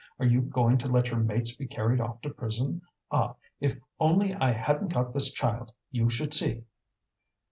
Are you going to let your mates be carried off to prison? Ah! if only I hadn't got this child, you should see!"